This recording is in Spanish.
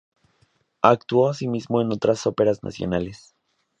Actuó asimismo en otras óperas nacionales.